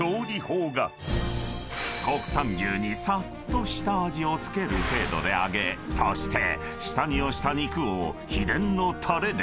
［国産牛にさっと下味を付ける程度であげそして下煮をした肉を秘伝のタレで］